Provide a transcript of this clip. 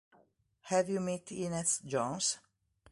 Have You Met Inez Jones?